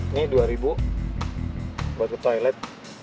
ini rp dua buat ke toilet